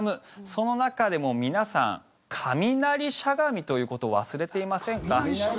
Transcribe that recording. その中でも皆さん雷しゃがみということを忘れていませんか？